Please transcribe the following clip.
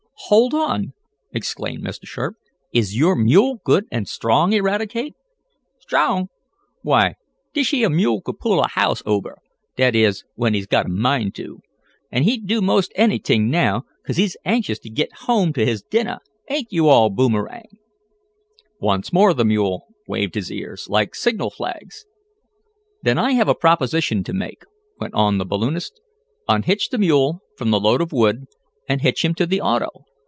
"Hold on!" exclaimed Mr. Sharp. "Is your mule good and strong, Eradicate?" "Strong? Why dish yeah mule could pull a house ober dat is when he's got a mind to. An' he'd do most anyt'ing now, 'ca'se he's anxious t' git home t' his dinnah; ain't yo' all, Boomerang?" Once more the mule waved his ears, like signal flags. "Then I have a proposition to make," went on the balloonist. "Unhitch the mule from the load of wood, and hitch him to the auto.